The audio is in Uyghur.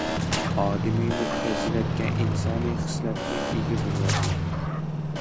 ئادىمىيلىك پەزىلەتكە، ئىنسانىي خىسلەتكە ئىگە بولۇۋاتىمەن.